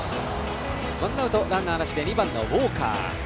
ワンアウトランナーなしで２番、ウォーカー。